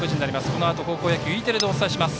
このあと高校野球はＥテレでお伝えします。